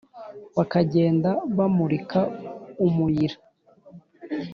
bakagenda bámurika umuyira